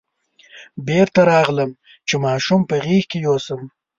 بېرته راغلم چې ماشوم په غېږ کې یوسم.